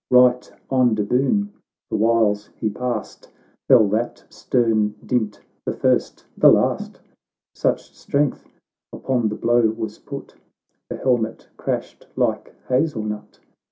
Bight on De Boune, the whiles he passed, Eell that stern dint— the first— the last !— Such strength upon the blow was put, The helmet crashed like hazel nut; CAXTO VI.